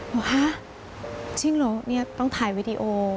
บอกว่าฮะจริงเหรอต้องถ่ายวิดีโอ